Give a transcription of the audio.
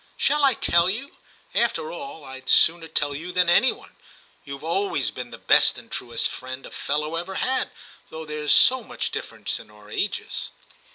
Shall I tell you ? After all, I'd sooner tell you than any one ; you've always been the best and truest friend a fellow ever had, though there's so much difference in our ages.'